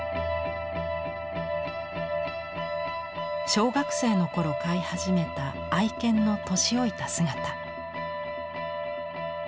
小学生の頃飼い始めた愛犬の年老いた姿。